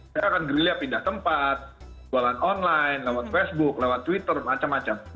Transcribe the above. saya akan gerilya pindah tempat jualan online lewat facebook lewat twitter macam macam